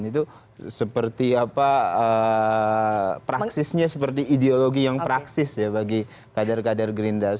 dan itu seperti apa praksisnya seperti ideologi yang praksis ya bagi kader kader gerindra